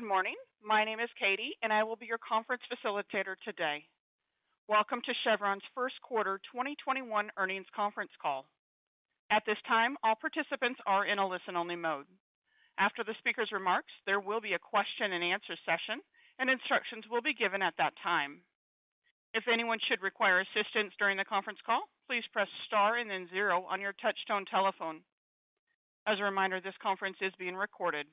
Good morning. My name is Katy, and I will be your conference facilitator today. Welcome to Chevron's first quarter 2021 earnings conference call. At this time, all participants are in a listen-only mode. After the speaker's remarks, there will be a question and answer session, and instructions will be given at that time. If anyone should require assistance during the conference call, please press star and then zero on your touchtone telephone. As a reminder, this conference is being recorded.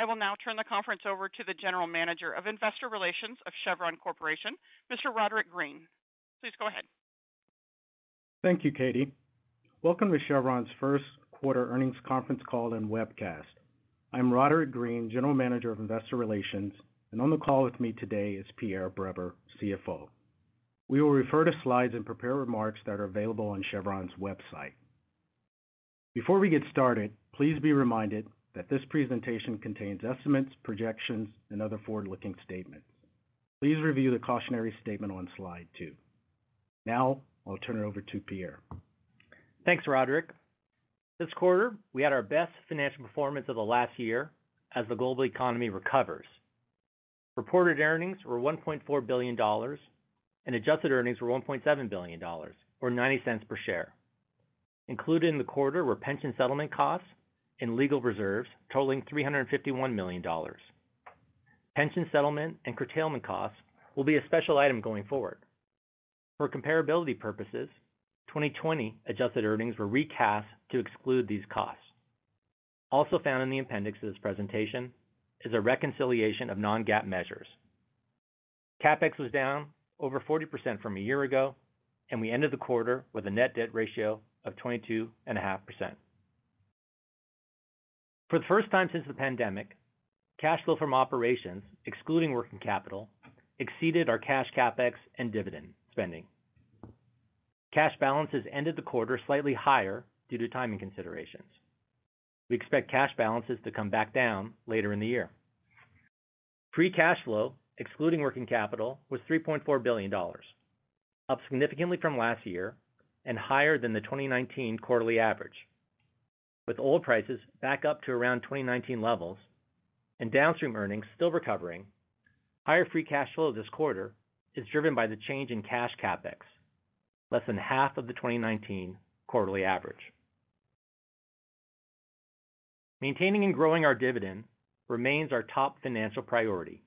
I will now turn the conference over to the General Manager of Investor Relations of Chevron Corporation, Mr. Roderick Green. Please go ahead. Thank you, Katy. Welcome to Chevron's first quarter earnings conference call and webcast. I'm Roderick Green, General Manager of Investor Relations, and on the call with me today is Pierre Breber, CFO. We will refer to slides and prepare remarks that are available on Chevron's website. Before we get started, please be reminded that this presentation contains estimates, projections, and other forward-looking statements. Please review the cautionary statement on Slide two. Now, I'll turn it over to Pierre. Thanks, Roderick. This quarter, we had our best financial performance of the last year as the global economy recovers. Reported earnings were $1.4 billion, and adjusted earnings were $1.7 billion, or $0.90 per share. Included in the quarter were pension settlement costs and legal reserves totaling $351 million. Pension settlement and curtailment costs will be a special item going forward. For comparability purposes, 2020-adjusted earnings were recast to exclude these costs. Also found in the appendix of this presentation is a reconciliation of non-GAAP measures. CapEx was down over 40% from a year ago, and we ended the quarter with a net debt ratio of 22.5%. For the first time since the pandemic, cash flow from operations excluding working capital exceeded our cash CapEx and dividend spending. Cash balances ended the quarter slightly higher due to timing considerations. We expect cash balances to come back down later in the year. Free cash flow, excluding working capital, was $3.4 billion, up significantly from last year and higher than the 2019 quarterly average. With oil prices back up to around 2019 levels and downstream earnings still recovering, higher free cash flow this quarter is driven by the change in cash CapEx, less than half of the 2019 quarterly average. Maintaining and growing our dividend remains our top financial priority.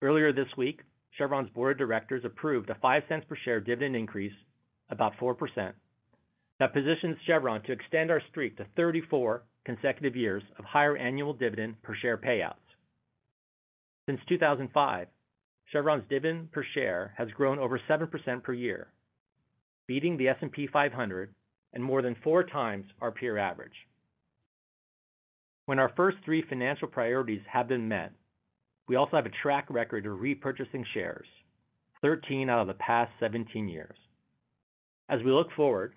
Earlier this week, Chevron's Board of Directors approved a $0.05 per share dividend increase, about 4%, that positions Chevron to extend our streak to 34 consecutive years of higher annual dividend per share payouts. Since 2005, Chevron's dividend per share has grown over 7% per year, beating the S&P 500 and more than four times our peer average. When our first three financial priorities have been met, we also have a track record of repurchasing shares, 13 out of the past 17 years. As we look forward,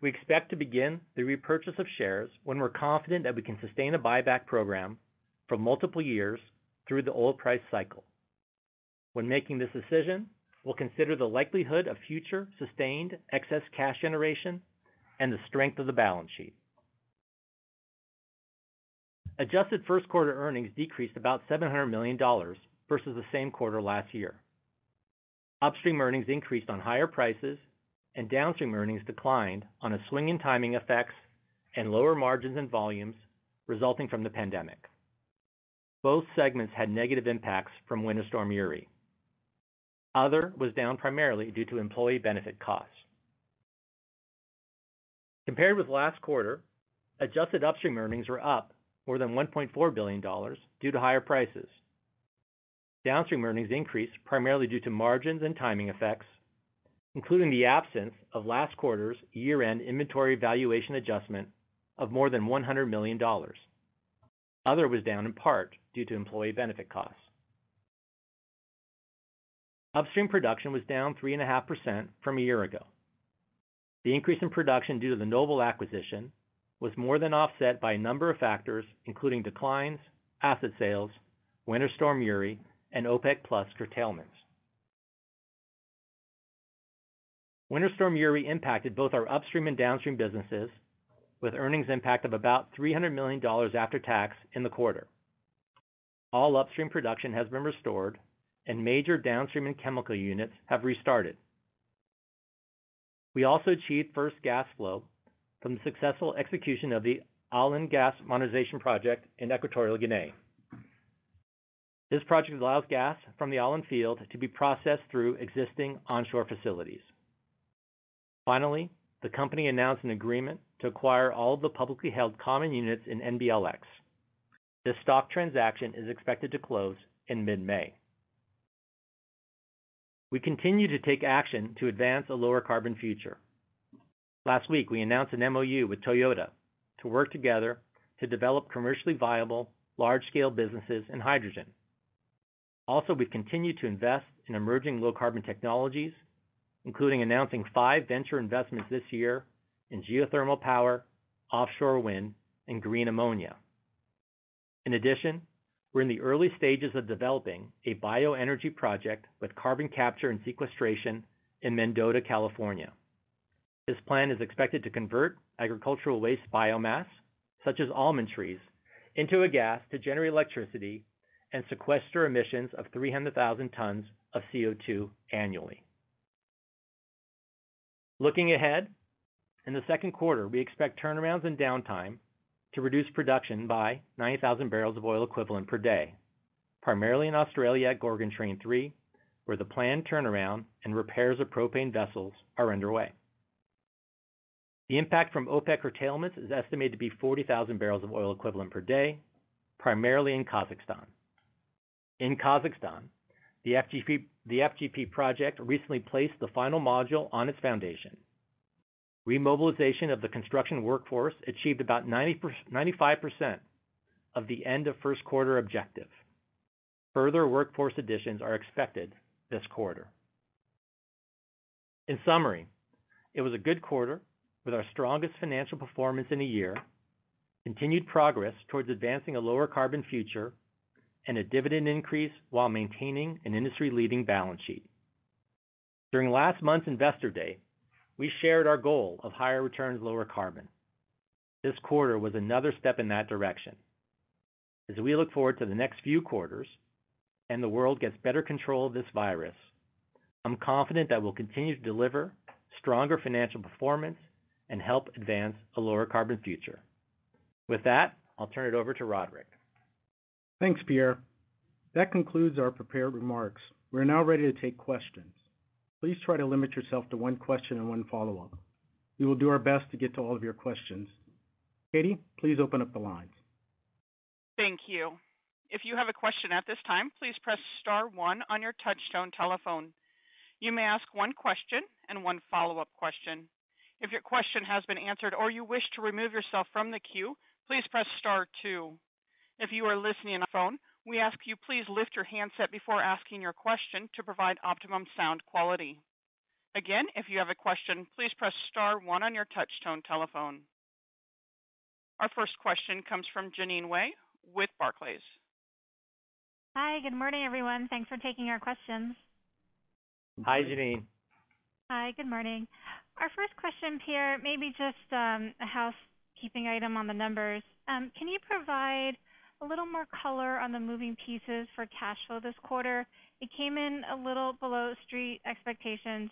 we expect to begin the repurchase of shares when we're confident that we can sustain a buyback program for multiple years through the oil price cycle. When making this decision, we'll consider the likelihood of future sustained excess cash generation and the strength of the balance sheet. Adjusted first quarter earnings decreased about $700 million versus the same quarter last year. Upstream earnings increased on higher prices, and downstream earnings declined on a swing in timing effects and lower margins and volumes resulting from the pandemic. Both segments had negative impacts from Winter Storm Uri. Other was down primarily due to employee benefit costs. Compared with last quarter, adjusted upstream earnings were up more than $1.4 billion due to higher prices. Downstream earnings increased primarily due to margins and timing effects, including the absence of last quarter's year-end inventory valuation adjustment of more than $100 million. Other was down in part due to employee benefit costs. Upstream production was down 3.5% from a year ago. The increase in production due to the Noble acquisition was more than offset by a number of factors, including declines, asset sales, Winter Storm Uri, and OPEC+ curtailments. Winter Storm Uri impacted both our upstream and downstream businesses with earnings impact of about $300 million after tax in the quarter. All upstream production has been restored, and major downstream and chemical units have restarted. We also achieved first gas flow from the successful execution of the Alen Gas Monetization Project in Equatorial Guinea. This project allows gas from the Alen field to be processed through existing onshore facilities. Finally, the company announced an agreement to acquire all the publicly held common units in NBLX. This stock transaction is expected to close in mid-May. We continue to take action to advance a lower carbon future. Last week, we announced an MOU with Toyota to work together to develop commercially viable large-scale businesses in hydrogen. Also, we've continued to invest in emerging low-carbon technologies, including announcing 5 venture investments this year in geothermal power, offshore wind, and green ammonia. In addition, we're in the early stages of developing a bioenergy project with carbon capture and sequestration in Mendota, California. This plan is expected to convert agricultural waste biomass, such as almond trees, into a gas to generate electricity and sequester emissions of 300,000 tons of CO2 annually. Looking ahead, in the second quarter, we expect turnarounds and downtime to reduce production by 90,000 barrels of oil equivalent per day, primarily in Australia at Gorgon Train Three, where the planned turnaround and repairs of propane vessels are underway. The impact from OPEC+ curtailments is estimated to be 40,000 barrels of oil equivalent per day, primarily in Kazakhstan. In Kazakhstan, the FGP Project recently placed the final module on its foundation. Remobilization of the construction workforce achieved about 95% of the end of first quarter objective. Further workforce additions are expected this quarter. In summary, it was a good quarter with our strongest financial performance in a year, continued progress towards advancing a lower carbon future, and a dividend increase while maintaining an industry-leading balance sheet. During last month's Investor Day, we shared our goal of higher returns, lower carbon. This quarter was another step in that direction. As we look forward to the next few quarters and the world gets better control of this virus, I'm confident that we'll continue to deliver stronger financial performance and help advance a lower carbon future. With that, I'll turn it over to Roderick. Thanks, Pierre. That concludes our prepared remarks. We are now ready to take questions. Please try to limit yourself to one question and one follow-up. We will do our best to get to all of your questions. Katy, please open up the lines. Thank you. If you have a question at this time, please press star one on your touchtone telephone. You may ask one question and one follow-up question. If your question has been answered or you wish to remove yourself from the queue, please press star two. If you are listening on phone, we ask you please lift your handset before asking your question to provide optimum sound quality. Again, if you have a question, please press star one on your touchtone telephone. Our first question comes from Jeanine Wai with Barclays. Hi, good morning, everyone. Thanks for taking our questions. Hi, Jeanine. Hi. Good morning. Our first question, Pierre, maybe just a housekeeping item on the numbers. Can you provide a little more color on the moving pieces for cash flow this quarter? It came in a little below street expectations.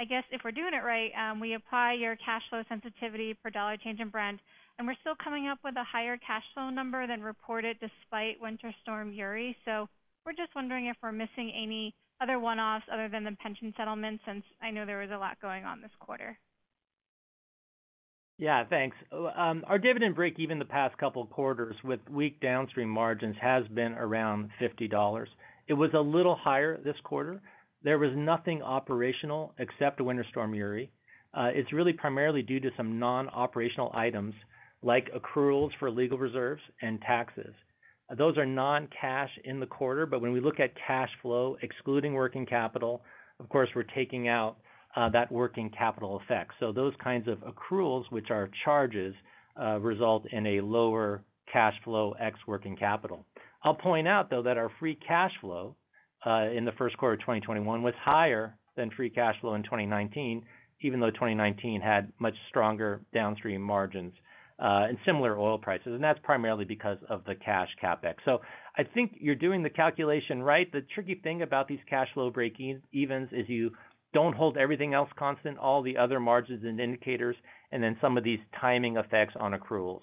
I guess if we're doing it right, we apply your cash flow sensitivity per dollar change in Brent, and we're still coming up with a higher cash flow number than reported despite Winter Storm Uri. We're just wondering if we're missing any other one-offs other than the pension settlement, since I know there was a lot going on this quarter. Yeah. Thanks. Our dividend breakeven the past couple of quarters with weak downstream margins has been around $50. It was a little higher this quarter. There was nothing operational except Winter Storm Uri. It's really primarily due to some non-operational items like accruals for legal reserves and taxes. Those are non-cash in the quarter. When we look at cash flow, excluding working capital, of course, we're taking out that working capital effect. Those kinds of accruals, which are charges, result in a lower cash flow ex working capital. I'll point out, though, that our free cash flow, in the first quarter of 2021 was higher than free cash flow in 2019, even though 2019 had much stronger downstream margins, and similar oil prices, and that's primarily because of the cash CapEx. I think you're doing the calculation right. The tricky thing about these cash flow breakevens is you don't hold everything else constant, all the other margins and indicators, and then some of these timing effects on accruals.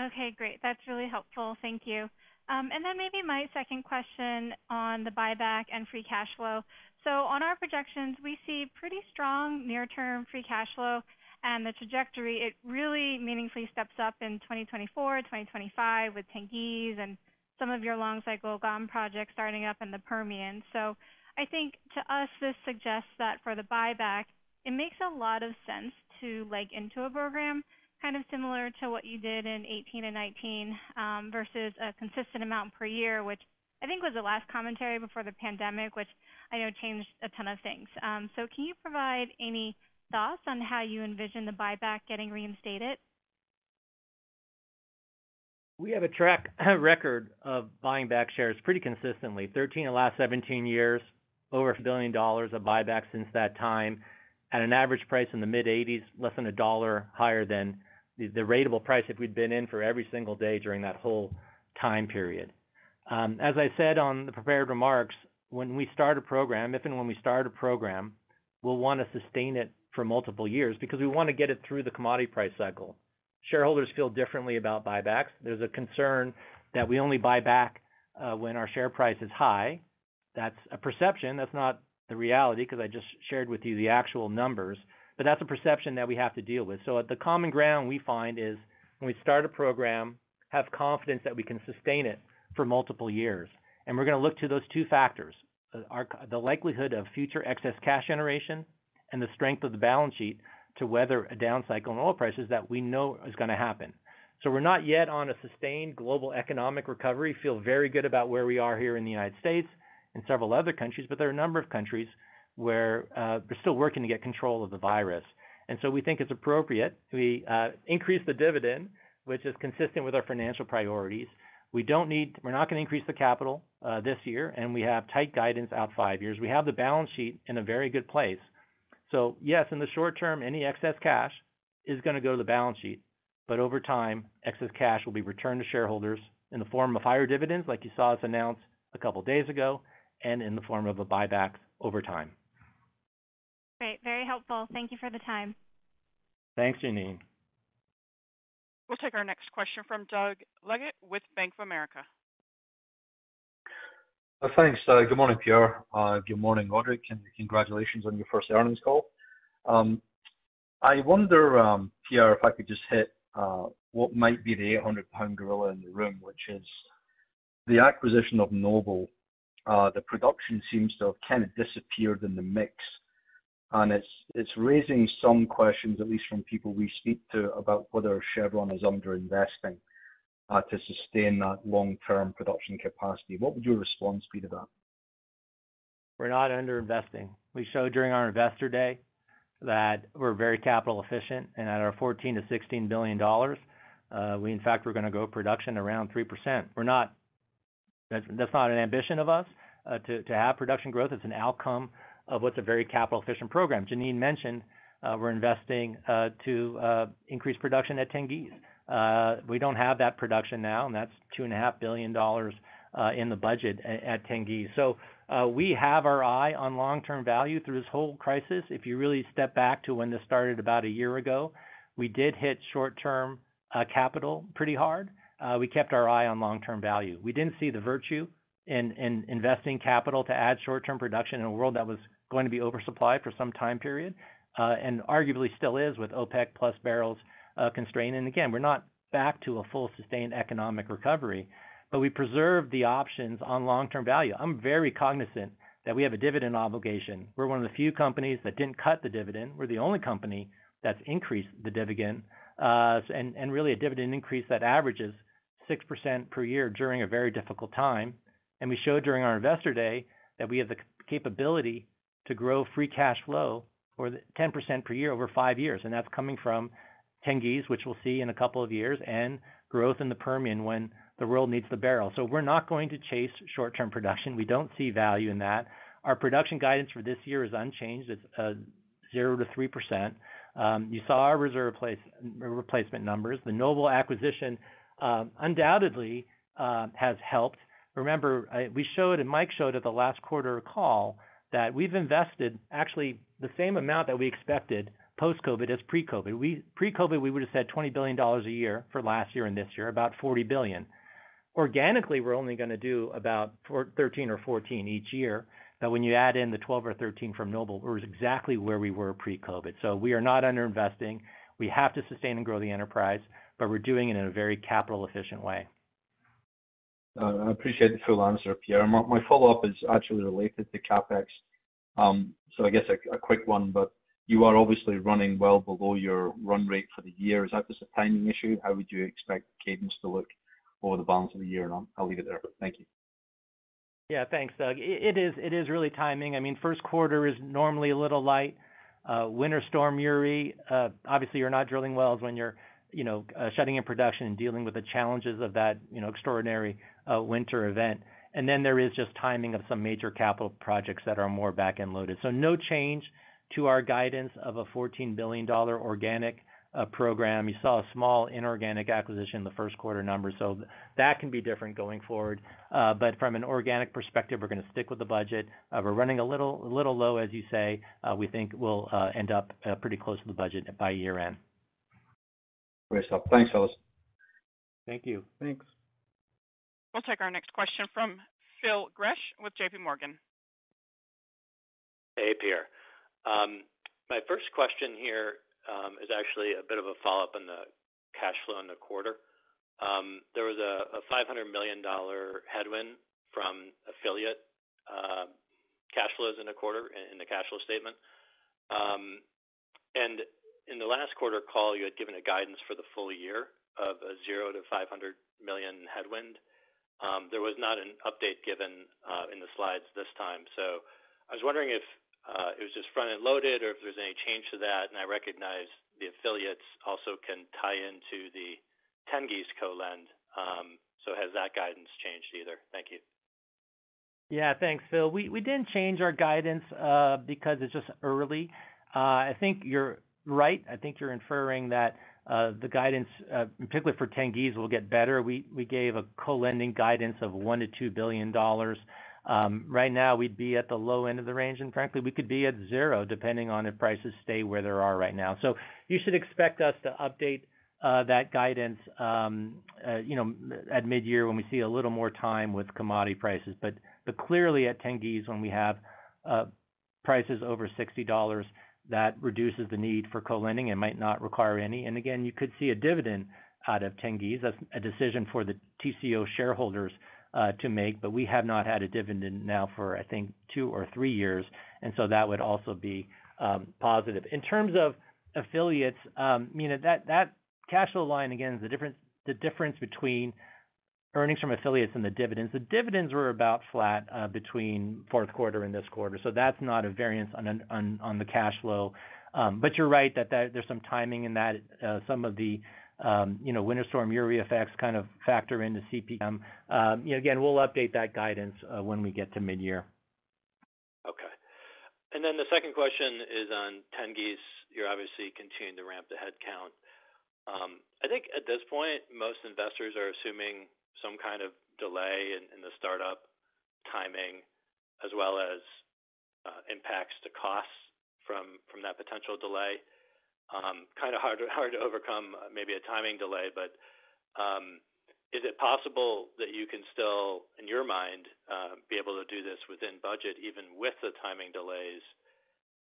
Okay, great. That's really helpful. Thank you. Then maybe my second question on the buyback and free cash flow. On our projections, we see pretty strong near-term free cash flow and the trajectory, it really meaningfully steps up in 2024, 2025 with Tengiz and some of your long-cycle Gorgon projects starting up in the Permian. I think to us, this suggests that for the buyback, it makes a lot of sense to leg into a program kind of similar to what you did in 2018 and 2019, versus a consistent amount per year, which I think was the last commentary before the pandemic, which I know changed a ton of things. Can you provide any thoughts on how you envision the buyback getting reinstated? We have a track record of buying back shares pretty consistently. 13 of the last 17 years, over $1 billion of buybacks since that time at an average price in the mid-$80s, less than $1 higher than the ratable price if we'd been in for every single day during that whole time period. As I said on the prepared remarks, when we start a program, if and when we start a program, we'll want to sustain it for multiple years because we want to get it through the commodity price cycle. Shareholders feel differently about buybacks. There's a concern that we only buy back when our share price is high. That's a perception. That's not the reality, because I just shared with you the actual numbers, but that's a perception that we have to deal with. The common ground we find is when we start a program, have confidence that we can sustain it for multiple years, and we're going to look to those two factors. The likelihood of future excess cash generation and the strength of the balance sheet to weather a down cycle in oil prices that we know is going to happen. We're not yet on a sustained global economic recovery. Feel very good about where we are here in the United States and several other countries, but there are a number of countries where they're still working to get control of the virus. We think it's appropriate. We increased the dividend, which is consistent with our financial priorities. We're not going to increase the capital this year, and we have tight guidance out five years. We have the balance sheet in a very good place. Yes, in the short term, any excess cash is going to go to the balance sheet. Over time, excess cash will be returned to shareholders in the form of higher dividends, like you saw us announce a couple days ago, and in the form of a buyback over time. Great. Very helpful. Thank you for the time. Thanks, Jeanine. We'll take our next question from Doug Leggate with Bank of America. Thanks. Good morning, Pierre. Good morning, Roderick, and congratulations on your first earnings call. I wonder, Pierre, if I could just hit what might be the 800-pound gorilla in the room, which is the acquisition of Noble. The production seems to have kind of disappeared in the mix, and it's raising some questions, at least from people we speak to, about whether Chevron is under-investing to sustain that long-term production capacity. What would your response be to that? We're not under-investing. We showed during our investor day that we're very capital efficient, and at our $14 billion-$16 billion, we in fact were going to grow production around 3%. That's not an ambition of us to have production growth. It's an outcome of what's a very capital-efficient program. Jeanine mentioned we're investing to increase production at Tengiz. We don't have that production now, and that's $2.5 billion in the budget at Tengiz. We have our eye on long-term value through this whole crisis. If you really step back to when this started about a year ago, we did hit short-term capital pretty hard. We kept our eye on long-term value. We didn't see the virtue in investing capital to add short-term production in a world that was going to be oversupplied for some time period. Arguably still is with OPEC+ barrels constraint. Again, we're not back to a full sustained economic recovery, but we preserved the options on long-term value. I'm very cognizant that we have a dividend obligation. We're one of the few companies that didn't cut the dividend. We're the only company that's increased the dividend. Really a dividend increase that averages 6% per year during a very difficult time. We showed during our investor day that we have the capability to grow free cash flow or 10% per year over five years, and that's coming from Tengiz, which we'll see in a couple of years, and growth in the Permian when the world needs the barrel. We're not going to chase short-term production. We don't see value in that. Our production guidance for this year is unchanged. It's 0% to 3%. You saw our reserve replacement numbers. The Noble acquisition undoubtedly has helped. Remember, we showed, and Mike showed at the last quarter call, that we've invested actually the same amount that we expected post-COVID as pre-COVID. Pre-COVID, we would've said $20 billion a year for last year and this year, about $40 billion. Organically, we're only going to do about $13 billion or $14 billion each year. When you add in the $12 billion or $13 billion from Noble Energy, it was exactly where we were pre-COVID. We are not under-investing. We have to sustain and grow the enterprise, but we're doing it in a very capital efficient way. I appreciate the full answer, Pierre. My follow-up is actually related to CapEx. I guess a quick one, but you are obviously running well below your run rate for the year. Is that just a timing issue? How would you expect cadence to look over the balance of the year? I'll leave it there. Thank you. Yeah. Thanks, Doug. It is really timing. First quarter is normally a little light. Winter Storm Uri. Obviously, you're not drilling wells when you're shutting in production and dealing with the challenges of that extraordinary winter event. Then there is just timing of some major capital projects that are more back-end loaded. No change to our guidance of a $14 billion organic program. You saw a small inorganic acquisition in the first quarter numbers, that can be different going forward. From an organic perspective, we're going to stick with the budget. We're running a little low, as you say. We think we'll end up pretty close to the budget by year-end. Great stuff. Thanks, fellas. Thank you. Thanks. We'll take our next question from Phil Gresh with JPMorgan. Hey, Pierre. My first question here is actually a bit of a follow-up on the cash flow in the quarter. There was a $500 million headwind from affiliate cash flows in the quarter, in the cash flow statement. In the last quarter call, you had given a guidance for the full year of a $0-$500 million headwind. There was not an update given in the slides this time, I was wondering if it was just front-end loaded or if there's any change to that. I recognize the affiliates also can tie into the Tengiz co-lend. Has that guidance changed either? Thank you. Yeah. Thanks, Phil. We didn't change our guidance, it's just early. I think you're right. I think you're inferring that the guidance, particularly for Tengiz, will get better. We gave a co-lending guidance of $1 billion-$2 billion. Right now, we'd be at the low end of the range, frankly, we could be at zero, depending on if prices stay where they are right now. You should expect us to update that guidance at mid-year when we see a little more time with commodity prices. Clearly at Tengiz, when we have prices over $60, that reduces the need for co-lending and might not require any. Again, you could see a dividend out of Tengiz. That's a decision for the Tengizchevroil shareholders to make, we have not had a dividend now for I think two or three years, that would also be positive. In terms of affiliates, that cash flow line, again, is the difference between Earnings from affiliates and the dividends. The dividends were about flat between fourth quarter and this quarter. That's not a variance on the cash flow. You're right that there's some timing in that. Some of the Winter Storm Uri effects kind of factor into CPChem. Again, we'll update that guidance when we get to mid-year. Okay. The second question is on Tengiz. You're obviously continuing to ramp the headcount. I think at this point, most investors are assuming some kind of delay in the startup timing as well as impacts to costs from that potential delay. Kind of hard to overcome maybe a timing delay, but is it possible that you can still, in your mind, be able to do this within budget, even with the timing delays?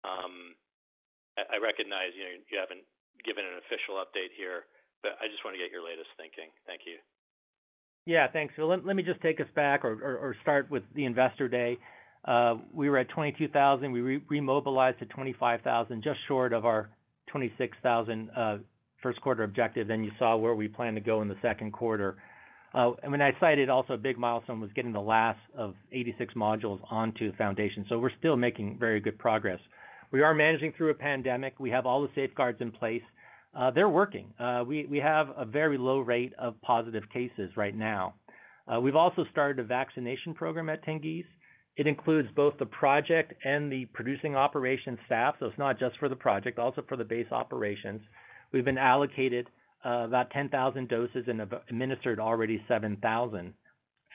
I recognize you haven't given an official update here, but I just want to get your latest thinking. Thank you. Yeah. Thanks, Phil. Let me just take us back or start with the investor day. We were at 22,000. We remobilized to 25,000, just short of our 26,000 first quarter objective. You saw where we plan to go in the second quarter. I cited also a big milestone was getting the last of 86 modules onto the foundation. We're still making very good progress. We are managing through a pandemic. We have all the safeguards in place. They're working. We have a very low rate of positive cases right now. We've also started a vaccination program at Tengiz. It includes both the project and the producing operation staff. It's not just for the project, also for the base operations. We've been allocated about 10,000 doses and have administered already 7,000.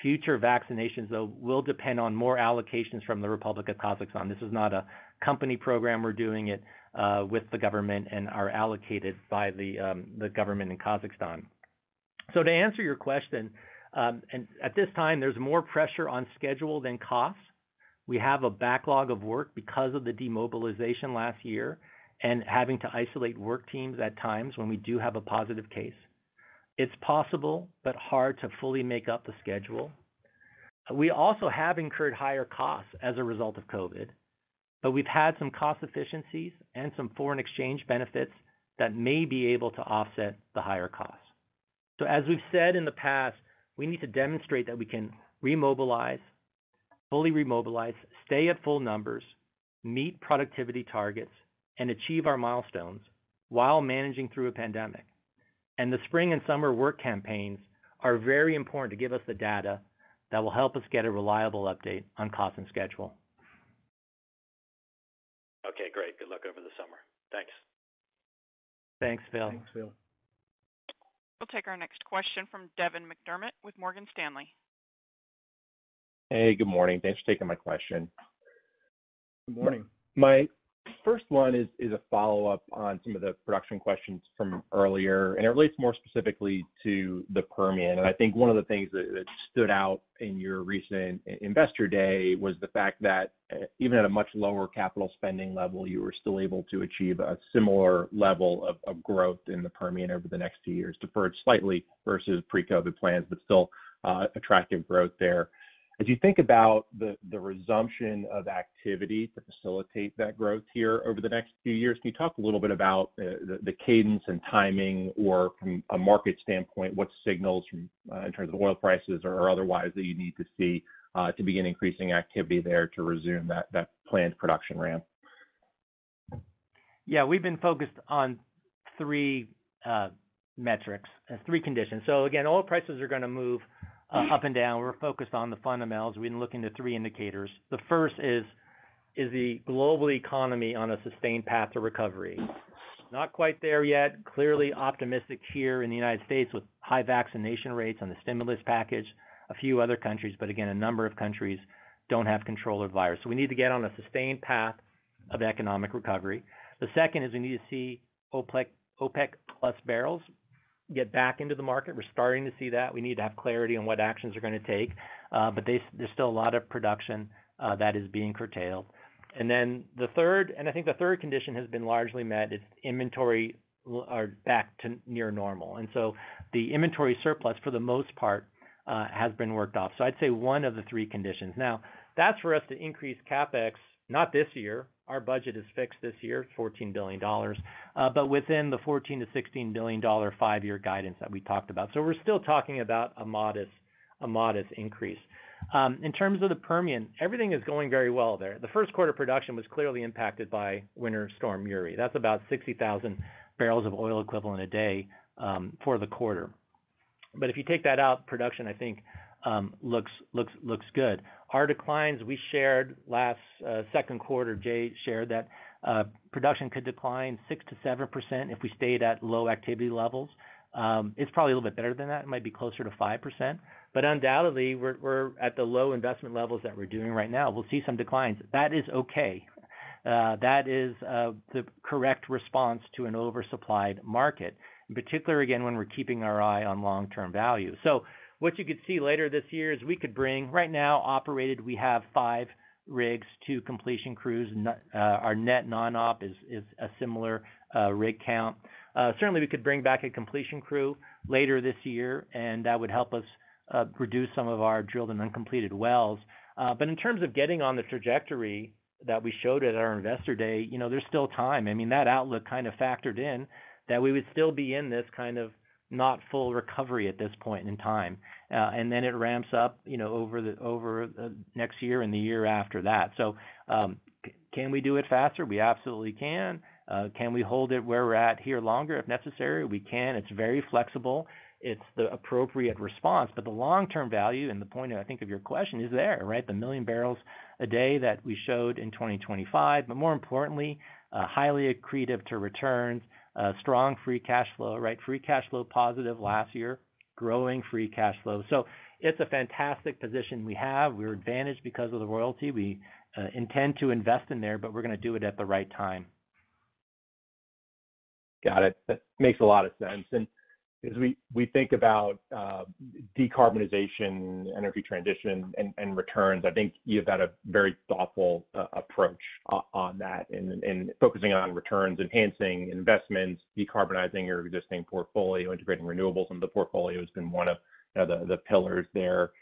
Future vaccinations, though, will depend on more allocations from the Republic of Kazakhstan. This is not a company program. We're doing it with the government and are allocated by the government in Kazakhstan. To answer your question, at this time, there's more pressure on schedule than cost. We have a backlog of work because of the demobilization last year and having to isolate work teams at times when we do have a positive case. It's possible, but hard to fully make up the schedule. We also have incurred higher costs as a result of COVID, but we've had some cost efficiencies and some foreign exchange benefits that may be able to offset the higher costs. As we've said in the past, we need to demonstrate that we can fully remobilize, stay at full numbers, meet productivity targets, and achieve our milestones while managing through a pandemic. The spring and summer work campaigns are very important to give us the data that will help us get a reliable update on cost and schedule. Okay, great. Good luck over the summer. Thanks. Thanks, Phil. Thanks, Phil. We'll take our next question from Devin McDermott with Morgan Stanley. Hey, good morning. Thanks for taking my question. Good morning. My first one is a follow-up on some of the production questions from earlier, and it relates more specifically to the Permian. I think one of the things that stood out in your recent investor day was the fact that even at a much lower capital spending level, you were still able to achieve a similar level of growth in the Permian over the next two years, deferred slightly versus pre-COVID plans, but still attractive growth there. You think about the resumption of activity to facilitate that growth here over the next few years, can you talk a little bit about the cadence and timing or from a market standpoint, what signals in terms of oil prices or otherwise that you need to see to begin increasing activity there to resume that planned production ramp? Yeah. We've been focused on three metrics and three conditions. Again, oil prices are going to move up and down. We're focused on the fundamentals. We look into three indicators. The first is the global economy on a sustained path to recovery. Not quite there yet. Clearly optimistic here in the U.S. with high vaccination rates on the stimulus package, a few other countries, but again, a number of countries don't have control of virus. We need to get on a sustained path of economic recovery. The second is we need to see OPEC+ barrels get back into the market. We're starting to see that. We need to have clarity on what actions they're going to take. There's still a lot of production that is being curtailed. I think the third condition has been largely met, is inventory are back to near normal. The inventory surplus, for the most part, has been worked off. I'd say one of the three conditions. That's for us to increase CapEx, not this year. Our budget is fixed this year, $14 billion. Within the $14 billion-$16 billion five-year guidance that we talked about. We're still talking about a modest increase. In terms of the Permian, everything is going very well there. The first quarter production was clearly impacted by Winter Storm Uri. That's about 60,000 barrels of oil equivalent a day for the quarter. If you take that out, production, I think looks good. Our declines, we shared last second quarter, Jay shared that production could decline 6%-7% if we stayed at low activity levels. It's probably a little bit better than that. It might be closer to 5%, but undoubtedly, we're at the low investment levels that we're doing right now. We'll see some declines. That is okay. That is the correct response to an oversupplied market, in particular, again, when we're keeping our eye on long-term value. What you could see later this year is right now operated, we have five rigs, two completion crews. Our net non-op is a similar rig count. Certainly, we could bring back a completion crew later this year, and that would help us reduce some of our drilled and uncompleted wells. In terms of getting on the trajectory that we showed at our investor day, there's still time. That outlook kind of factored in that we would still be in this kind of not full recovery at this point in time. Then it ramps up over next year and the year after that. Can we do it faster? We absolutely can. Can we hold it where we're at here longer if necessary? We can. It's very flexible. It's the appropriate response. The long-term value, and the point I think of your question is there, right? The million barrels a day that we showed in 2025, but more importantly, highly accretive to returns, strong free cash flow, right? Free cash flow positive last year, growing free cash flow. It's a fantastic position we have. We're advantaged because of the royalty. We intend to invest in there, but we're going to do it at the right time. Got it. That makes a lot of sense. As we think about decarbonization, energy transition, and returns, I think you've had a very thoughtful approach on that and focusing on returns, enhancing investments, decarbonizing your existing portfolio, integrating renewables into the portfolio has been one of the pillars there.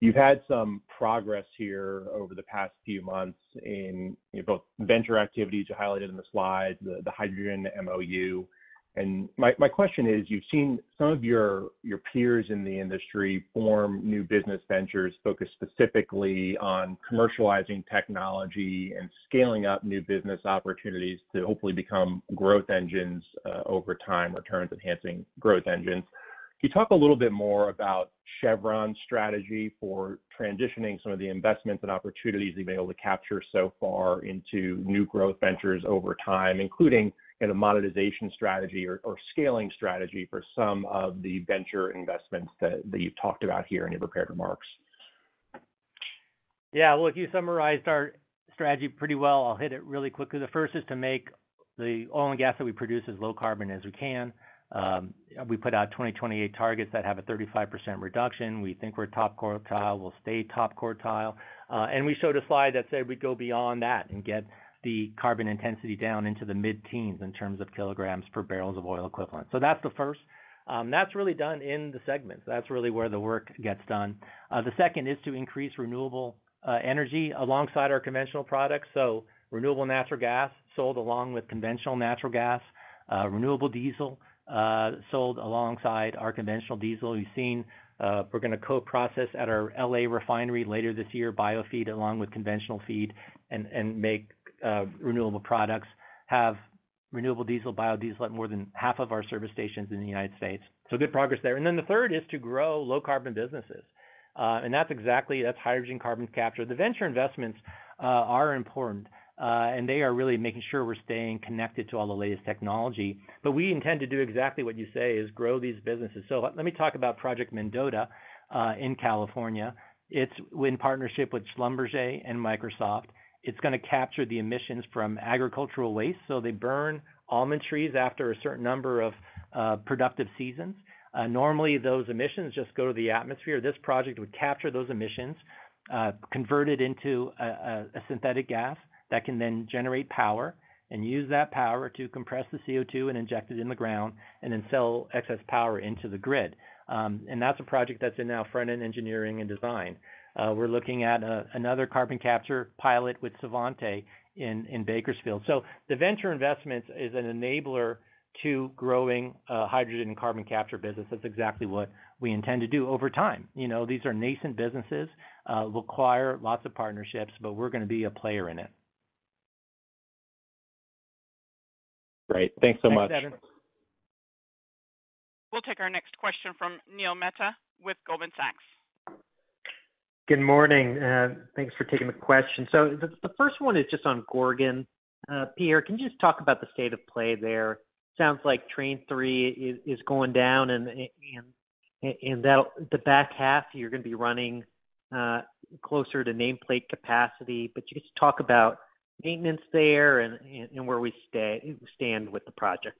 You've had some progress here over the past few months in both venture activities you highlighted in the slide, the hydrogen MOU. My question is, you've seen some of your peers in the industry form new business ventures focused specifically on commercializing technology and scaling up new business opportunities to hopefully become growth engines over time, returns-enhancing growth engines. Can you talk a little bit more about Chevron's strategy for transitioning some of the investments and opportunities that you've been able to capture so far into new growth ventures over time, including a monetization strategy or scaling strategy for some of the venture investments that you've talked about here in your prepared remarks? Look, you summarized our strategy pretty well. I'll hit it really quickly. The first is to make the oil and gas that we produce as low carbon as we can. We put out 2028 targets that have a 35% reduction. We think we're top quartile. We'll stay top quartile. We showed a slide that said we'd go beyond that and get the carbon intensity down into the mid-teens in terms of kilograms per barrels of oil equivalent. That's the first. That's really done in the segments. That's really where the work gets done. The second is to increase renewable energy alongside our conventional products. Renewable natural gas sold along with conventional natural gas. Renewable diesel sold alongside our conventional diesel. You've seen we're going to co-process at our L.A. refinery later this year, bio feed along with conventional feed, and make renewable products, have renewable diesel, biodiesel at more than half of our service stations in the U.S. Good progress there. The third is to grow low carbon businesses. That's hydrogen carbon capture. The venture investments are important. They are really making sure we're staying connected to all the latest technology. We intend to do exactly what you say is grow these businesses. Let me talk about Project Mendota in California. It's in partnership with Schlumberger and Microsoft. It's going to capture the emissions from agricultural waste, so they burn almond trees after a certain number of productive seasons. Normally, those emissions just go to the atmosphere. This project would capture those emissions, convert it into a synthetic gas that can then generate power, and use that power to compress the CO2 and inject it in the ground, and then sell excess power into the grid. That's a project that's in now front-end engineering and design. We're looking at another carbon capture pilot with Svante in Bakersfield. The venture investment is an enabler to growing hydrogen and carbon capture business. That's exactly what we intend to do over time. These are nascent businesses, require lots of partnerships, but we're going to be a player in it. Great. Thanks so much. Thanks, Devin. We'll take our next question from Neil Mehta with Goldman Sachs. Good morning, and thanks for taking the question. The first one is just on Gorgon. Pierre, can you just talk about the state of play there? Sounds like train three is going down, and the back half you're going to be running closer to nameplate capacity. Could you just talk about maintenance there and where we stand with the project?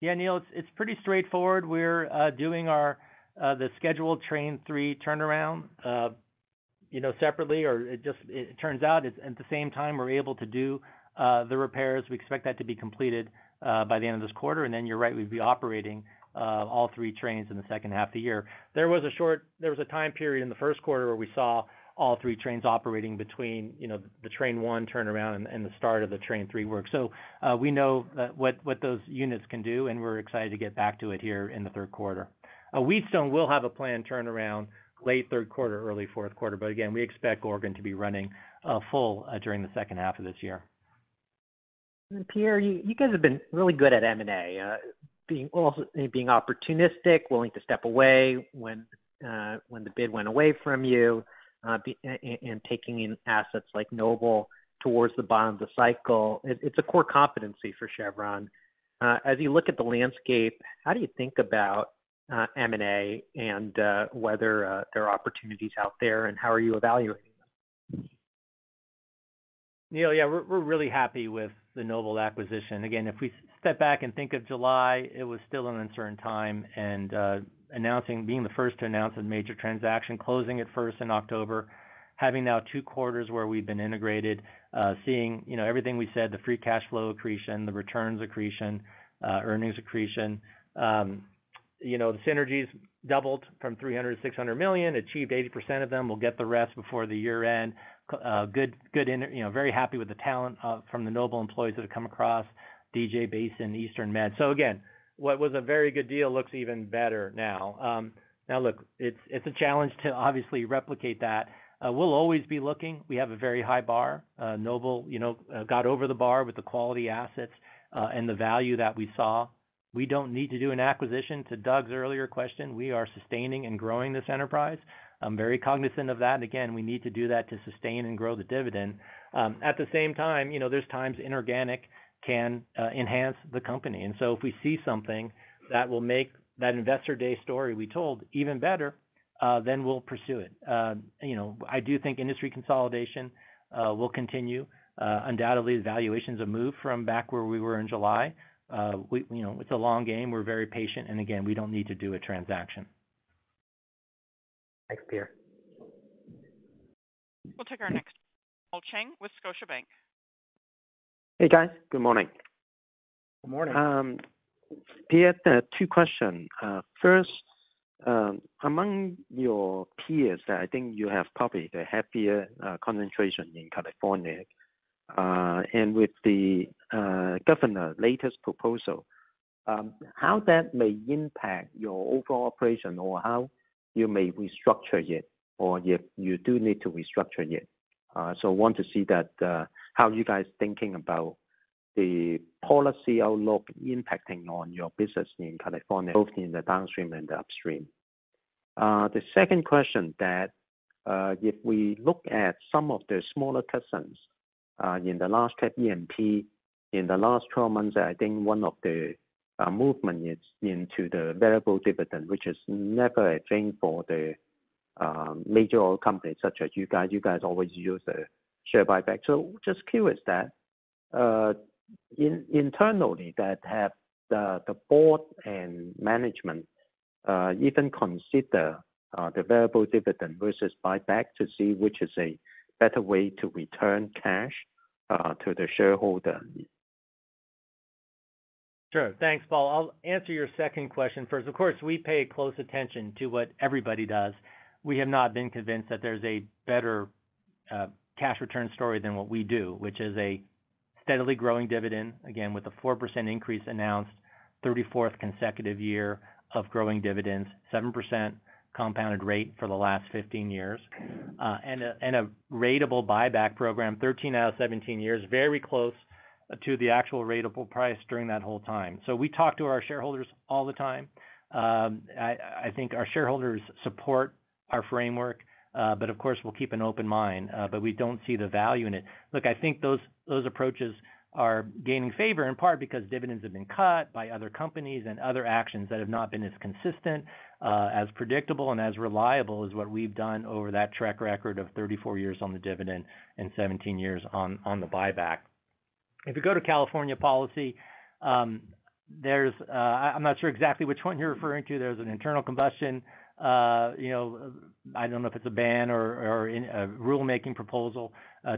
Yeah, Neil, it's pretty straightforward. We're doing the scheduled train 3 turnaround separately, or it just turns out it's at the same time we're able to do the repairs. We expect that to be completed by the end of this quarter. You're right, we'd be operating all 3 trains in the second half of the year. There was a time period in the first quarter where we saw all 3 trains operating between the train 1 turnaround and the start of the train 3 work. We know what those units can do, and we're excited to get back to it here in the third quarter. Wheatstone will have a planned turnaround late third quarter, early fourth quarter, again, we expect Gorgon to be running full during the second half of this year. Pierre, you guys have been really good at M&A. Being opportunistic, willing to step away when the bid went away from you, and taking in assets like Noble towards the bottom of the cycle. It's a core competency for Chevron. As you look at the landscape, how do you think about M&A, and whether there are opportunities out there, and how are you evaluating them? Neil, yeah, we're really happy with the Noble acquisition. If we step back and think of July, it was still an uncertain time, and being the first to announce a major transaction, closing it first in October, having now two quarters where we've been integrated, seeing everything we said, the free cash flow accretion, the returns accretion, earnings accretion. The synergies doubled from $300 million-$600 million, achieved 80% of them. We'll get the rest before the year-end. Very happy with the talent from the Noble employees that have come across, DJ Basin, Eastern Med. What was a very good deal looks even better now. Look, it's a challenge to obviously replicate that. We'll always be looking. We have a very high bar. Noble got over the bar with the quality assets, and the value that we saw. We don't need to do an acquisition, to Doug's earlier question. We are sustaining and growing this enterprise. I'm very cognizant of that. Again, we need to do that to sustain and grow the dividend. At the same time, there's times inorganic can enhance the company. If we see something that will make that investor day story we told even better, we'll pursue it. I do think industry consolidation will continue. Undoubtedly, the valuations have moved from back where we were in July. It's a long game, we're very patient. Again, we don't need to do a transaction. Thanks, Pierre. We'll take our next, Paul Cheng with Scotiabank. Hey, guys. Good morning. Good morning. Pierre, two question. First, among your peers that I think you have probably the heavier concentration in California, and with the Governor latest proposal, how that may impact your overall operation, or how you may restructure it, or if you do need to restructure it? Want to see that, how are you guys thinking about the policy outlook impacting on your business in California, both in the downstream and the upstream? The second question that if we look at some of the smaller cousins, in the last E&P, in the last 12 months, I think one of the movement is into the variable dividend, which is never a thing for the major oil companies such as you guys. You guys always use a share buyback. Just curious that internally that have the board and management even consider the variable dividend versus buyback to see which is a better way to return cash to the shareholder? Sure. Thanks, Paul. I'll answer your second question first. Of course, we pay close attention to what everybody does. We have not been convinced that there's a better cash return story than what we do, which is a steadily growing dividend, again, with a 4% increase announced, 34th consecutive year of growing dividends, 7% compounded rate for the last 15 years. A ratable buyback program 13 out of 17 years, very close to the actual ratable price during that whole time. We talk to our shareholders all the time. I think our shareholders support our framework. Of course, we'll keep an open mind. We don't see the value in it. Look, I think those approaches are gaining favor in part because dividends have been cut by other companies and other actions that have not been as consistent, as predictable, and as reliable as what we've done over that track record of 34 years on the dividend and 17 years on the buyback. If you go to California policy, I'm not sure exactly which one you're referring to. There's an internal combustion, I don't know if it's a ban or a rulemaking proposal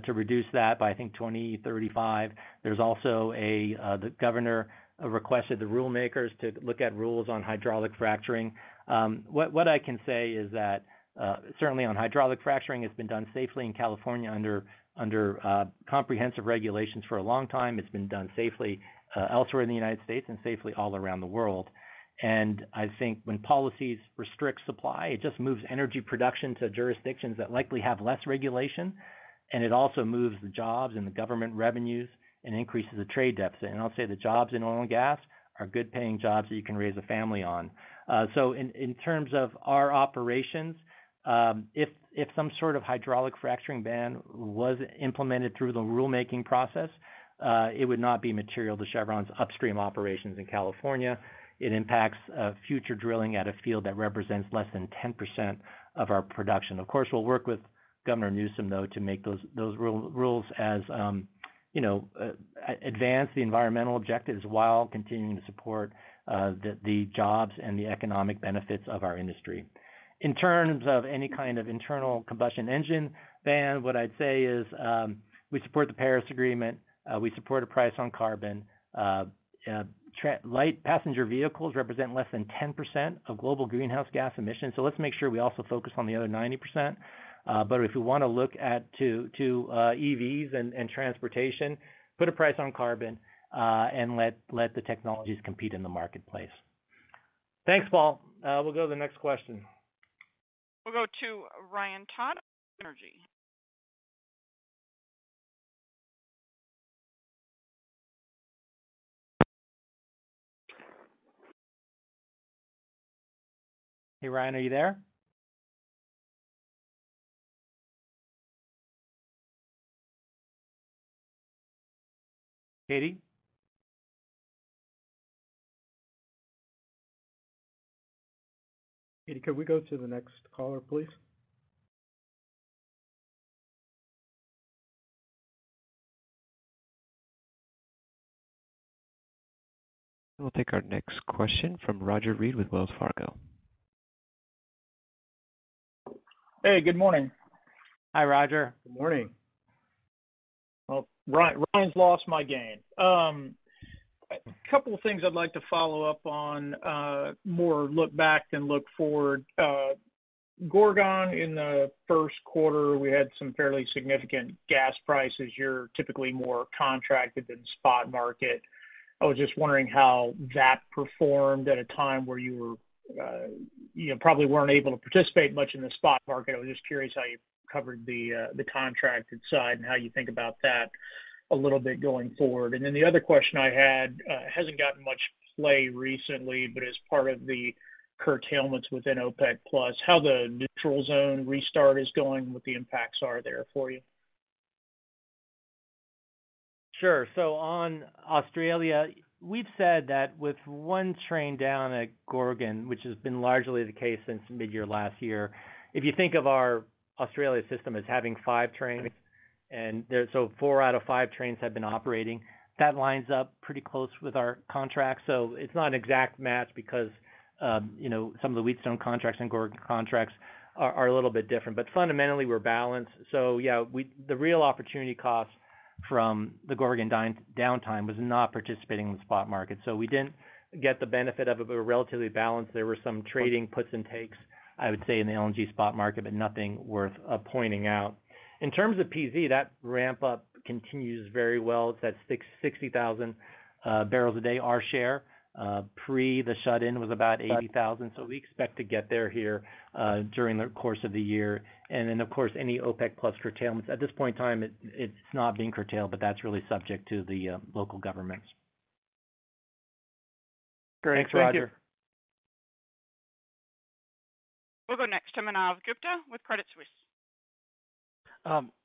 to reduce that by, I think, 2035. There's also the Governor requested the rule makers to look at rules on hydraulic fracturing. What I can say is that, certainly on hydraulic fracturing, it's been done safely in California under comprehensive regulations for a long time. It's been done safely elsewhere in the United States and safely all around the world. I think when policies restrict supply, it just moves energy production to jurisdictions that likely have less regulation, and it also moves the jobs and the government revenues and increases the trade deficit. I'll say the jobs in oil and gas are good-paying jobs that you can raise a family on. In terms of our operations, if some sort of hydraulic fracturing ban was implemented through the rulemaking process, it would not be material to Chevron's upstream operations in California. It impacts future drilling at a field that represents less than 10% of our production. Of course, we'll work with Gavin Newsom, though, to make those rules as advance the environmental objectives while continuing to support the jobs and the economic benefits of our industry. In terms of any kind of internal combustion engine ban, what I'd say is we support the Paris Agreement. We support a price on carbon. Light passenger vehicles represent less than 10% of global greenhouse gas emissions. Let's make sure we also focus on the other 90%. If we want to look at to EVs and transportation, put a price on carbon, and let the technologies compete in the marketplace. Thanks, Paul. We'll go to the next question. We'll go to Ryan Todd, Energy. Hey, Ryan, are you there? Katy? Katy, could we go to the next caller, please? We'll take our next question from Roger Read with Wells Fargo. Hey, good morning. Hi, Roger. Good morning. Well, Ryan's lost my gain. A couple of things I'd like to follow up on, more look back than look forward. Gorgon, in the first quarter, we had some fairly significant gas prices. You're typically more contracted than spot market. I was just wondering how that performed at a time where you probably weren't able to participate much in the spot market. I was just curious how you covered the contracted side and how you think about that a little bit going forward. The other question I had, hasn't gotten much play recently, but as part of the curtailments within OPEC+, how the neutral zone restart is going, what the impacts are there for you. Sure. On Australia, we've said that with one train down at Gorgon, which has been largely the case since mid-year last year. If you think of our Australia system as having five trains, four out of five trains have been operating, that lines up pretty close with our contract. It's not an exact match because some of the Wheatstone contracts and Gorgon contracts are a little bit different. Fundamentally, we're balanced. The real opportunity cost from the Gorgon downtime was not participating in the spot market. We didn't get the benefit of it, but we're relatively balanced. There were some trading puts and takes, I would say, in the LNG spot market, but nothing worth pointing out. In terms of PZ, that ramp-up continues very well. It's at 60,000 barrels a day. Our share pre the shut-in was about 80,000. We expect to get there here during the course of the year. Of course, any OPEC+ curtailments. At this point in time, it's not being curtailed, but that's really subject to the local governments. Great. Thank you. Thanks, Roger. We'll go next to Manav Gupta with Credit Suisse.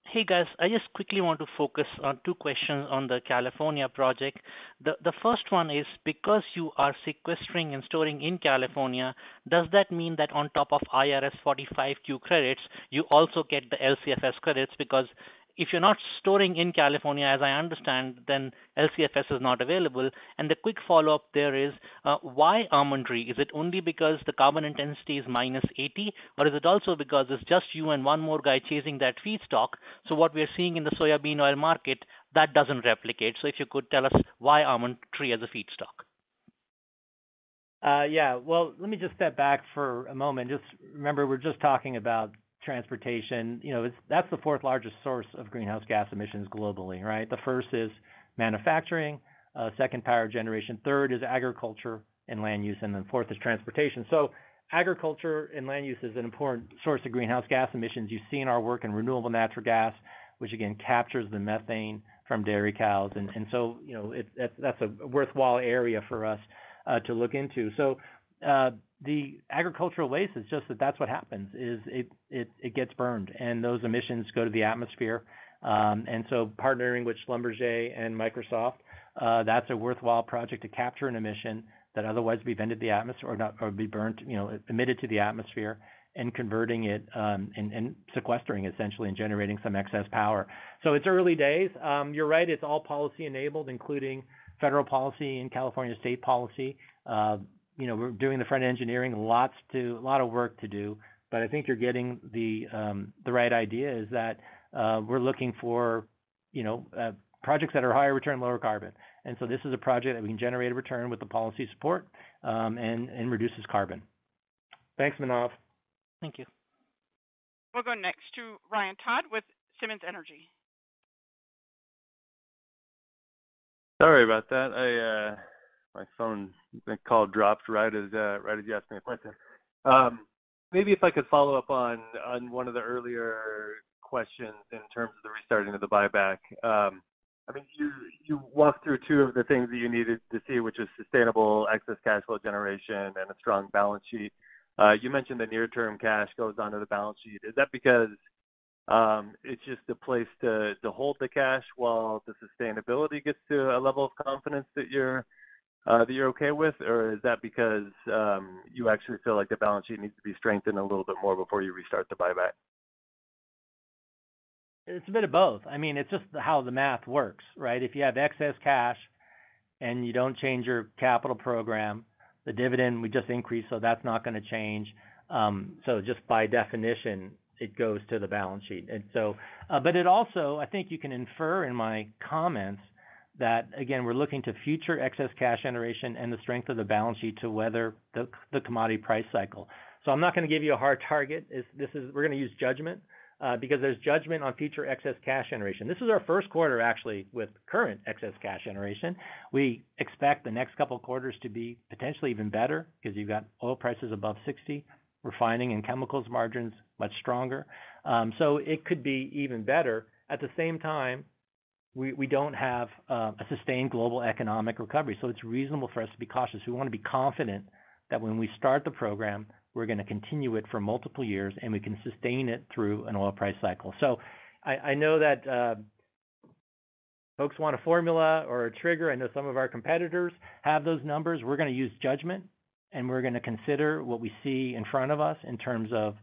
Hey, guys. I just quickly want to focus on two questions on the California project. The first one is because you are sequestering and storing in California, does that mean that on top of Section 45Q credits, you also get the LCFS credits? If you're not storing in California, as I understand, then LCFS is not available. The quick follow-up there is why almond tree? Is it only because the carbon intensity is -80, or is it also because it's just you and one more guy chasing that feedstock? What we are seeing in the soya bean oil market, that doesn't replicate. If you could tell us why almond tree as a feedstock. Well, let me just step back for a moment. Just remember, we're just talking about transportation. That's the fourth largest source of greenhouse gas emissions globally, right? The first is manufacturing, second power generation, third is agriculture and land use, and then fourth is transportation. Agriculture and land use is an important source of greenhouse gas emissions. You've seen our work in renewable natural gas, which again, captures the methane from dairy cows. That's a worthwhile area for us to look into. The agricultural waste is just that that's what happens is it gets burned, and those emissions go to the atmosphere. Partnering with Schlumberger and Microsoft, that's a worthwhile project to capture an emission that otherwise would be vented to the atmosphere or be burnt, emitted to the atmosphere and converting it and sequestering essentially, and generating some excess power. It's early days. You're right, it's all policy-enabled, including federal policy and California state policy. We're doing the front engineering. A lot of work to do, but I think you're getting the right idea is that we're looking for projects that are higher return, lower carbon. This is a project that we can generate a return with the policy support, and reduces carbon. Thanks, Manav. Thank you. We'll go next to Ryan Todd with Simmons Energy. Sorry about that. My phone call dropped right as you asked me a question. Maybe if I could follow up on one of the earlier questions in terms of the restarting of the buyback. You walked through two of the things that you needed to see, which is sustainable excess cash flow generation and a strong balance sheet. You mentioned the near-term cash goes onto the balance sheet. Is that because it's just a place to hold the cash while the sustainability gets to a level of confidence that you're okay with? Is that because you actually feel like the balance sheet needs to be strengthened a little bit more before you restart the buyback? It's a bit of both. It's just how the math works, right? If you have excess cash and you don't change your capital program, the dividend we just increased, that's not going to change. Just by definition, it goes to the balance sheet. It also, I think you can infer in my comments that again, we're looking to future excess cash generation and the strength of the balance sheet to weather the commodity price cycle. I'm not going to give you a hard target. We're going to use judgment because there's judgment on future excess cash generation. This is our first quarter, actually, with current excess cash generation. We expect the next couple of quarters to be potentially even better because you've got oil prices above $60. Refining and chemicals margins much stronger. It could be even better. At the same time, we don't have a sustained global economic recovery, so it's reasonable for us to be cautious. We want to be confident that when we start the program, we're going to continue it for multiple years, and we can sustain it through an oil price cycle. I know folks want a formula or a trigger. I know some of our competitors have those numbers. We're going to use judgment, and we're going to consider what we see in front of us in terms of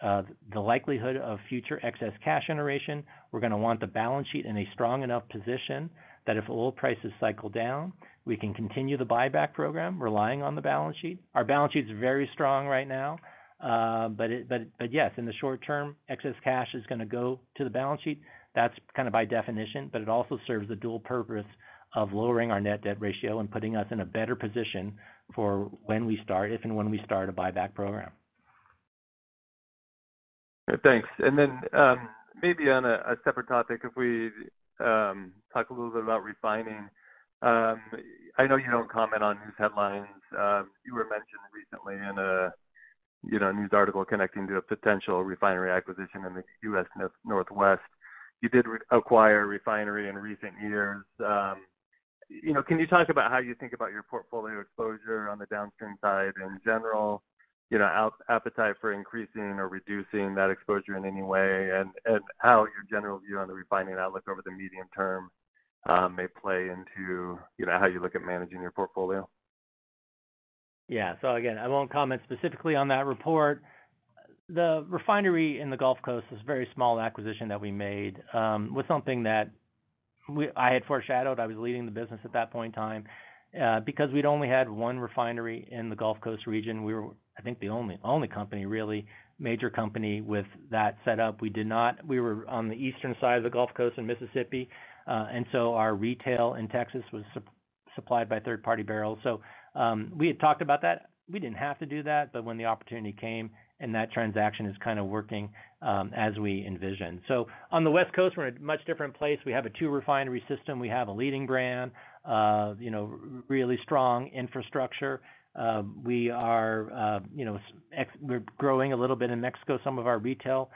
the likelihood of future excess cash generation. We're going to want the balance sheet in a strong enough position that if oil prices cycle down, we can continue the buyback program relying on the balance sheet. Our balance sheet's very strong right now. Yes, in the short term, excess cash is going to go to the balance sheet. That's kind of by definition, but it also serves the dual purpose of lowering our net debt ratio and putting us in a better position for if and when we start a buyback program. Thanks. Maybe on a separate topic, if we talk a little bit about refining. I know you don't comment on news headlines. You were mentioned recently in a news article connecting to a potential refinery acquisition in the U.S. Northwest. You did acquire a refinery in recent years. Can you talk about how you think about your portfolio exposure on the downstream side in general, appetite for increasing or reducing that exposure in any way, and how your general view on the refining outlook over the medium term may play into how you look at managing your portfolio? Yeah. Again, I won't comment specifically on that report. The refinery in the Gulf Coast is a very small acquisition that we made, with something that I had foreshadowed. I was leading the business at that point in time. Because we'd only had one refinery in the Gulf Coast region, we were, I think, the only company really, major company, with that setup. We were on the eastern side of the Gulf Coast in Mississippi. Our retail in Texas was supplied by third-party barrels. We had talked about that. We didn't have to do that. When the opportunity came, that transaction is kind of working as we envisioned. On the West Coast, we're in a much different place. We have a two-refinery system. We have a leading brand, really strong infrastructure. We're growing a little bit in Mexico, some of our retail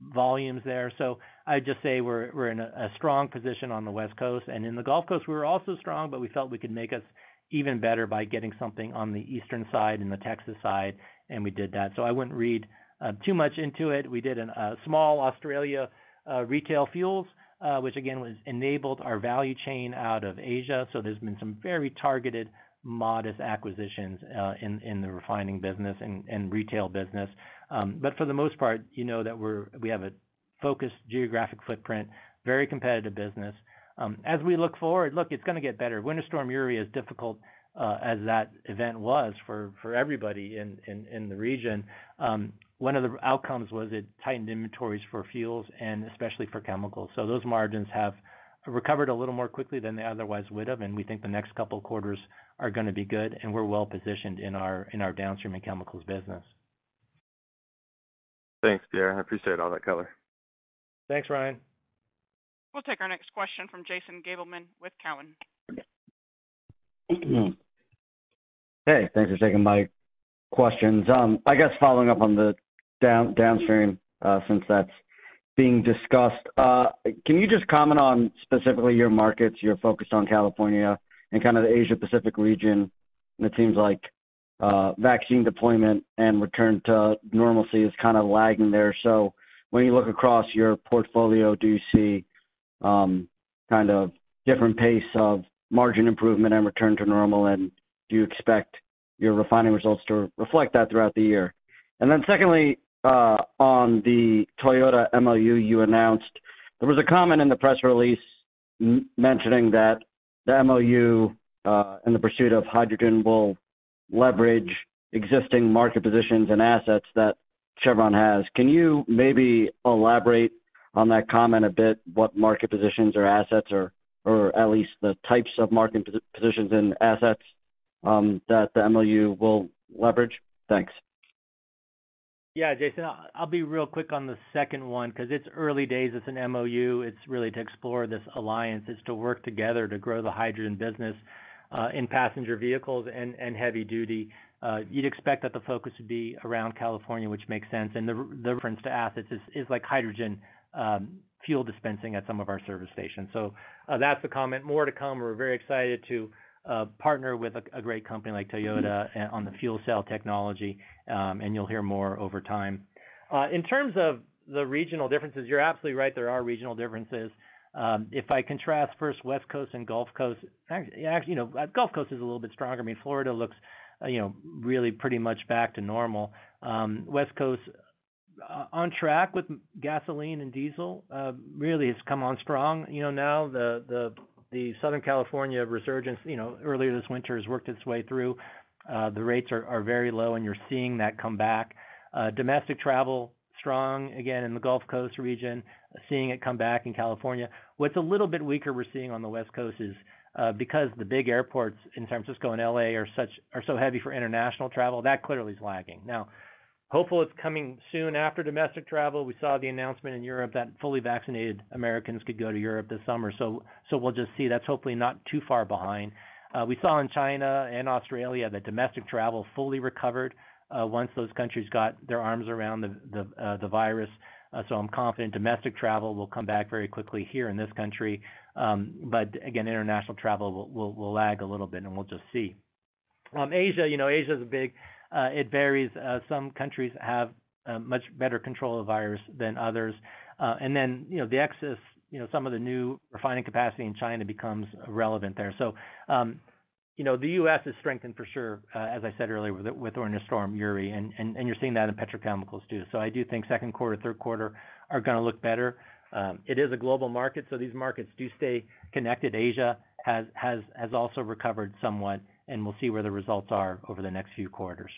volumes there. I'd just say we're in a strong position on the West Coast, and in the Gulf Coast we're also strong, but we felt we could make us even better by getting something on the eastern side, in the Texas side, and we did that. I wouldn't read too much into it. We did a small Australia retail fuels, which again, enabled our value chain out of Asia. There's been some very targeted, modest acquisitions in the refining business and retail business. For the most part, you know that we have a focused geographic footprint, very competitive business. As we look forward, look, it's going to get better. Winter Storm Uri, as difficult as that event was for everybody in the region, one of the outcomes was it tightened inventories for fuels and especially for chemicals. Those margins have recovered a little more quickly than they otherwise would have, and we think the next couple quarters are going to be good, and we're well positioned in our downstream and chemicals business. Thanks, Pierre. I appreciate all that color. Thanks, Ryan. We'll take our next question from Jason Gabelman with Cowen. Hey, thanks for taking my questions. I guess following up on the downstream, since that's being discussed, can you just comment on specifically your markets, your focus on California and kind of the Asia-Pacific region? It seems like vaccine deployment and return to normalcy is kind of lagging there. When you look across your portfolio, do you see kind of different pace of margin improvement and return to normal, and do you expect your refining results to reflect that throughout the year? Secondly, on the Toyota MOU you announced, there was a comment in the press release mentioning that the MOU, in the pursuit of hydrogen, will leverage existing market positions and assets that Chevron has. Can you maybe elaborate on that comment a bit, what market positions or assets or at least the types of market positions and assets that the MOU will leverage? Thanks. Jason, I'll be real quick on the second one because it's early days. It's an MOU. It's really to explore this alliance. It's to work together to grow the hydrogen business in passenger vehicles and heavy duty. You'd expect that the focus would be around California, which makes sense, and the reference to assets is like hydrogen fuel dispensing at some of our service stations. That's the comment. More to come. We're very excited to partner with a great company like Toyota on the fuel cell technology. You'll hear more over time. In terms of the regional differences, you're absolutely right, there are regional differences. I contrast first West Coast and Gulf Coast, Gulf Coast is a little bit stronger. I mean, Florida looks really pretty much back to normal. West Coast on track with gasoline and diesel, really has come on strong. Now the Southern California resurgence earlier this winter has worked its way through. The rates are very low, and you're seeing that come back. Domestic travel strong again in the Gulf Coast region, seeing it come back in California. What's a little bit weaker we're seeing on the West Coast is because the big airports in San Francisco and L.A. are so heavy for international travel, that clearly is lagging. Now, hopeful it's coming soon. After domestic travel, we saw the announcement in Europe that fully vaccinated Americans could go to Europe this summer. We'll just see. That's hopefully not too far behind. We saw in China and Australia that domestic travel fully recovered once those countries got their arms around the virus. I'm confident domestic travel will come back very quickly here in this country. Again, international travel will lag a little bit, and we'll just see. It varies. Some countries have much better control of the virus than others. Then the excess, some of the new refining capacity in China becomes relevant there. The U.S. is strengthened for sure, as I said earlier, with or without Winter Storm Uri, and you're seeing that in petrochemicals too. I do think second quarter, third quarter are going to look better. It is a global market, so these markets do stay connected. Asia has also recovered somewhat, and we'll see where the results are over the next few quarters.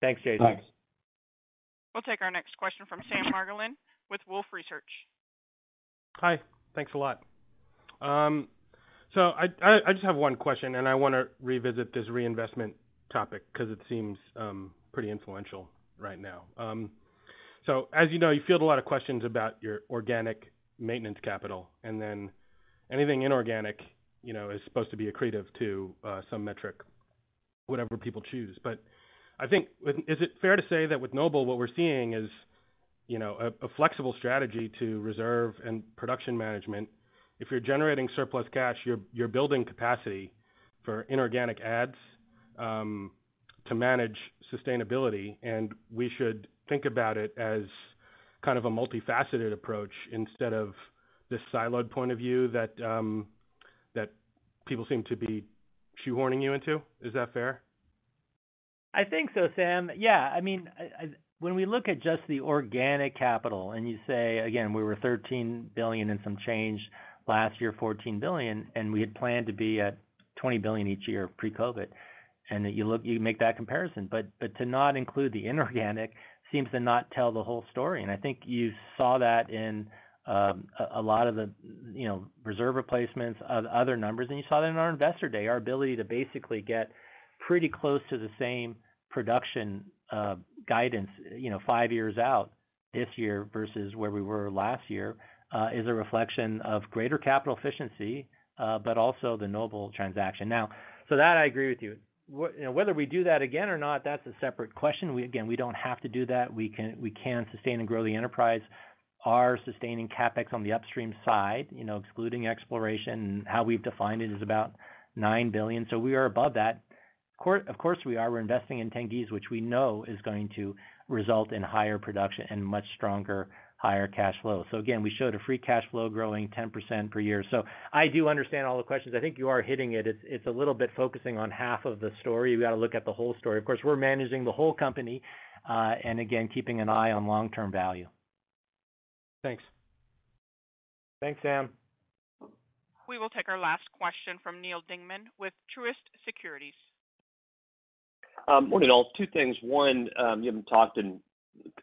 Thanks, Jason. Thanks. We'll take our next question from Sam Margolin with Wolfe Research. Hi. Thanks a lot. I just have one question, and I want to revisit this reinvestment topic because it seems pretty influential right now. As you know, you field a lot of questions about your organic maintenance capital, and then anything inorganic is supposed to be accretive to some metric, whatever people choose. I think, is it fair to say that with Noble, what we're seeing is a flexible strategy to reserve and production management? If you're generating surplus cash, you're building capacity for inorganic adds to manage sustainability, and we should think about it as kind of a multifaceted approach instead of this siloed point of view that people seem to be shoehorning you into. Is that fair? I think so, Sam. When we look at just the organic capital, and you say, again, we were $13 billion and some change last year, $14 billion, and we had planned to be at $20 billion each year pre-COVID, and that you make that comparison. To not include the inorganic seems to not tell the whole story. I think you saw that in a lot of the reserve replacements, other numbers, and you saw that in our investor day. Our ability to basically get pretty close to the same production guidance five years out this year versus where we were last year is a reflection of greater capital efficiency, but also the Noble transaction. Now, that I agree with you. Whether we do that again or not, that's a separate question. Again, we don't have to do that. We can sustain and grow the enterprise. Our sustaining CapEx on the upstream side excluding exploration and how we've defined it is about $9 billion. We are above that. Of course, we are. We're investing in Tengiz, which we know is going to result in higher production and much stronger, higher cash flow. Again, we showed a free cash flow growing 10% per year. I do understand all the questions. I think you are hitting it. It's a little bit focusing on half of the story. You got to look at the whole story. Of course, we're managing the whole company, and again, keeping an eye on long-term value. Thanks. Thanks, Sam. We will take our last question from Neal Dingmann with Truist Securities. Morning, all. Two things. One, you haven't talked, and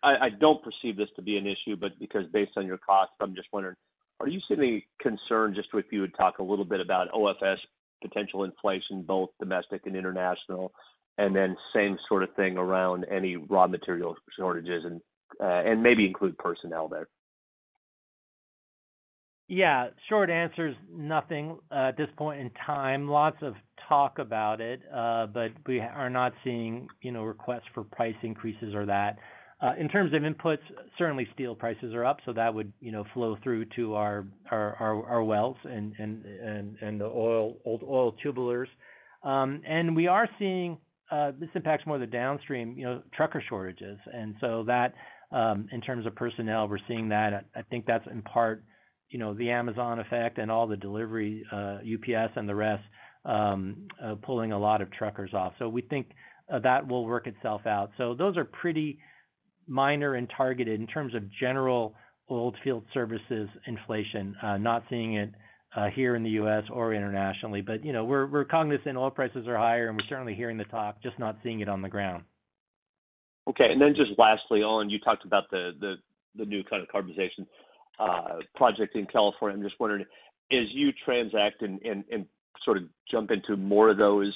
I don't perceive this to be an issue, but because based on your cost, I'm just wondering, are you seeing any concern, just if you would talk a little bit about OFS potential inflation, both domestic and international, and then same sort of thing around any raw material shortages and maybe include personnel there? Yeah, short answer is nothing at this point in time. Lots of talk about it. We are not seeing requests for price increases or that. In terms of inputs, certainly steel prices are up, so that would flow through to our wells and the oilfield tubulars. We are seeing this impacts more of the downstream trucker shortages. That in terms of personnel, we're seeing that. I think that's in part the Amazon effect and all the delivery, UPS and the rest, pulling a lot of truckers off. We think that will work itself out. Those are pretty minor and targeted in terms of general oilfield services inflation. Not seeing it here in the U.S. or internationally. We're cognizant oil prices are higher, and we're certainly hearing the talk, just not seeing it on the ground. Okay. Just lastly, Pierre, you talked about the new kind of carbonization project in California. I'm just wondering, as you transact and sort of jump into more of those,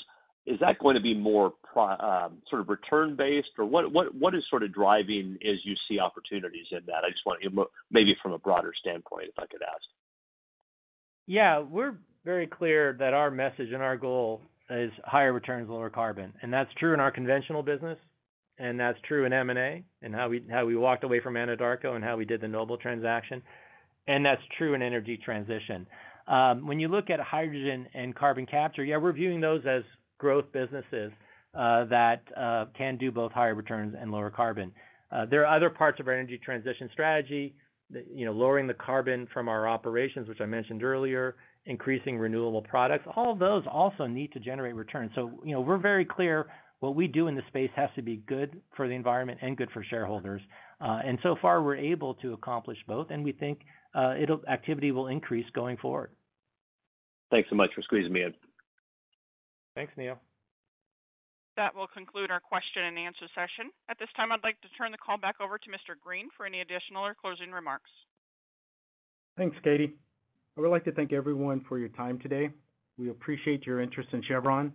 is that going to be more sort of return-based? What is sort of driving as you see opportunities in that? I just wonder maybe from a broader standpoint, if I could ask. We're very clear that our message and our goal is higher returns, lower carbon. That's true in our conventional business, and that's true in M&A, and how we walked away from Anadarko and how we did the Noble transaction. That's true in energy transition. When you look at hydrogen and carbon capture, we're viewing those as growth businesses that can do both higher returns and lower carbon. There are other parts of our energy transition strategy, lowering the carbon from our operations, which I mentioned earlier, increasing renewable products. All of those also need to generate returns. We're very clear what we do in the space has to be good for the environment and good for shareholders. So far, we're able to accomplish both, and we think activity will increase going forward. Thanks so much for squeezing me in. Thanks, Neal. That will conclude our question and answer session. At this time, I'd like to turn the call back over to Mr. Green for any additional or closing remarks. Thanks, Katy. I would like to thank everyone for your time today. We appreciate your interest in Chevron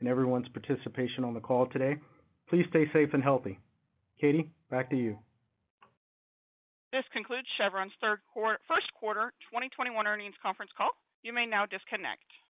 and everyone's participation on the call today. Please stay safe and healthy. Katy, back to you. This concludes Chevron's first quarter 2021 earnings conference call. You may now disconnect.